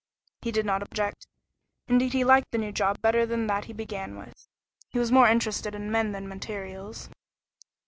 He did not object; indeed he liked the new job better than that he began with. He was more interested in men than materials.